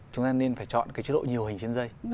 chúng ta nên phải chọn cái chế độ nhiều hành trên dây